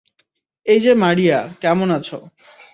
এইযে মারিয়া, কেমন আছো?